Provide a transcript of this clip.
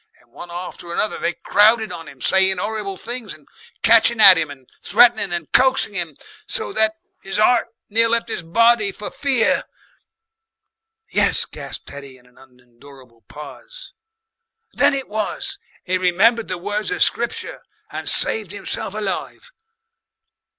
And one after another they crowded on 'im saying 'orrible things, and catchin' at 'im and threatenin' and coaxing 'im, so that 'is 'eart near left 'is body for fear." "Yes," gasped Teddy in an unendurable pause. "Then it was he remembered the words of Scripture and saved himself alive.